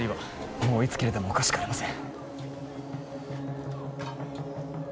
もういつ切れてもおかしくありません